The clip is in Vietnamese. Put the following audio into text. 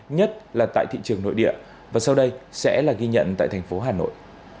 nhất là tại thị trường nội địa và sau đây sẽ là ghi nhận tại thành phố hà nội